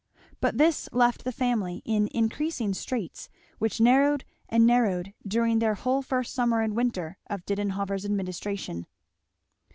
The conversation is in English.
But this left the family in increasing straits, which narrowed and narrowed during the whole first summer and winter of Didenhover's administration.